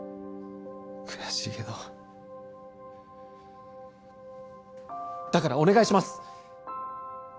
悔しいけどだからお願いします